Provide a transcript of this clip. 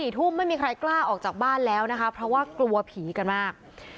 ๔ทุ่มไม่มีใครกล้าออกจากบ้านแล้วนะคะเพราะว่ากลัวผีกันมาก